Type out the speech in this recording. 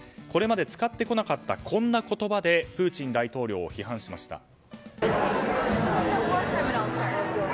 これまで使ってこなかったこんな言葉でプーチン大統領を批判しました。